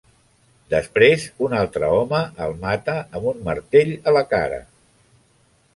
Després un altre home el mata amb un martell a la cara.